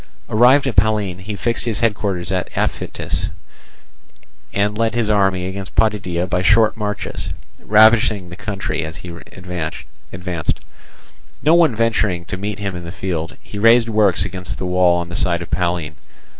Arrived at Pallene, he fixed his headquarters at Aphytis, and led his army against Potidæa by short marches, ravaging the country as he advanced. No one venturing to meet him in the field, he raised works against the wall on the side of Pallene.